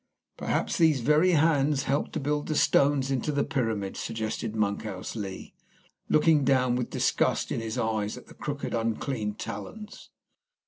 "Perhaps these very hands helped to build the stones into the pyramids," suggested Monkhouse Lee, looking down with disgust in his eyes at the crooked, unclean talons.